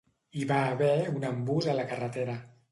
Hi va haver un embús a la carretera.